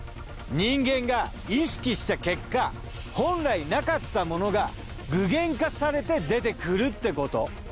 人間が意識した結果本来なかったものが具現化されて出てくるってこと。